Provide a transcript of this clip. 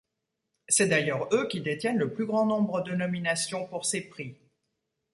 C'est d'ailleurs eux qui détiennent le plus grand nombre de nominations pour ces prix.